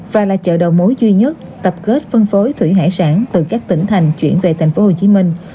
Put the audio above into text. và là chợ đầu mối duy nhất tập kết phân phối thủy hải sản từ các tỉnh thành chuyển về thành phố hồ chí minh